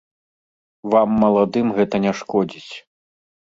Вам, маладым, гэта не шкодзіць.